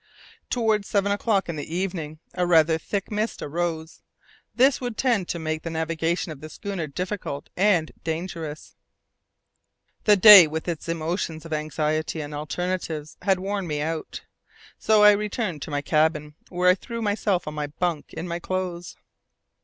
Towards seven o'clock in the evening a rather thick mist arose; this would tend to make the navigation of the schooner difficult and dangerous. The day, with its emotions of anxiety and alternatives, had worn me out. So I returned to my cabin, where I threw myself on my bunk in my clothes.